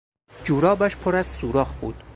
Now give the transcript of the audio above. جورابش پر از سوراخ بود.